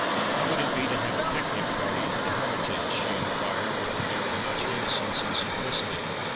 "How would it be to have a picnic party to the Hermitage?" she inquired, with an air of much innocence and simplicity.